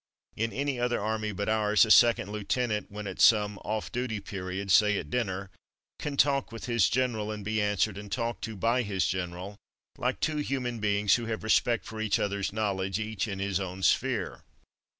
In any other army but ours, a second lieutenant, when at some "off duty'* period, say at dinner, can talk with his general and be answered and talked to by his general like two human beings who have respect for each other's knowledge, each in his own sphere.